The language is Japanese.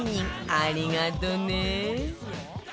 ありがとね！